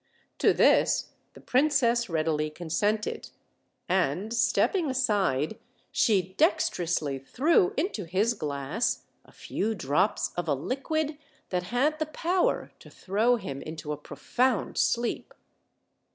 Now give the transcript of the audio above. To this the princess readily con 1 sented, and, stepping aside, she dexterously threw into his glass a few drops of a liquid that had the power to throw him into a profound sleep.